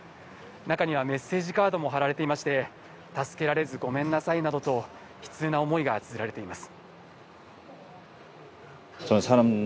中にはメッセージカードも張られていまして、「助けられず、ごめんなさい」などと悲痛な思いがつづられています。